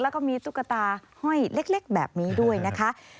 แล้วก็มีตุ๊กตาห้อยเล็กแบบนี้ด้วยนะคะ